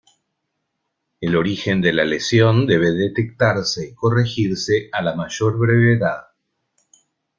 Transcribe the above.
El origen de la lesión debe detectarse y corregirse a la mayor brevedad.